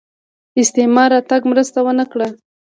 استعمار تګ مرسته ونه کړه